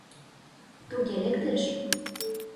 — Туге лектеш...